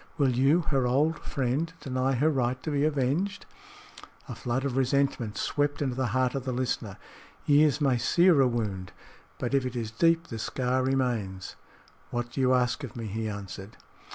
Will you, her old friend, deny her right to be avenged?" A flood of resentment swept into the heart of the listener. Years may sear a wound; but if it is deep, the scar remains. "What do you ask of me?" he answered.